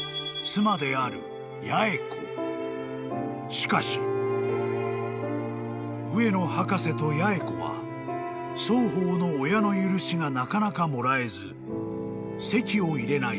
［しかし上野博士と八重子は双方の親の許しがなかなかもらえず籍を入れない］